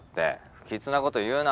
不吉なこと言うな。